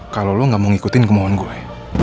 kalau lo gak mau ngikutin kemohonan gue